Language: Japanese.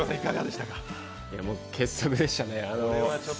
傑作でしたね。